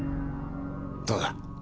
どうだ？